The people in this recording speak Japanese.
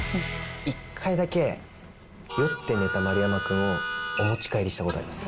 １回だけ、酔って寝た丸山君をお持ち帰りしたことがあります。